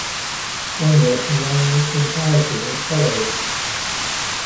One version ran in its entirety as follows.